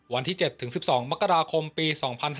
วันที่๗ถึง๑๒มกราคมปี๒๕๖๓